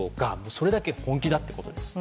それだけ本気だということです。